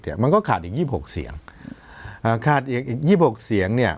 มันก็ขาดอีกยี่หกเสียงอ่าขาดอีกอีกยี่หกเสียงเนี่ย